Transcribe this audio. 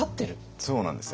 そうなんですよ。